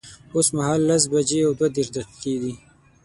اوس مهال لس بجي او دوه دیرش دقیقی دی